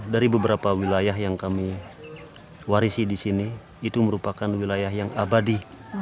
dari beberapa wilayah yang kami warisi di sini itu merupakan wilayah yang abadi